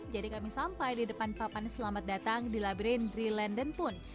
jadi kami sampai di depan papan selamat datang di labirintri lenden poon